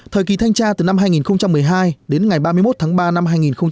thời kỳ thanh tra từ năm hai nghìn một mươi hai đến ngày ba mươi một tháng ba năm hai nghìn một mươi chín